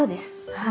はい。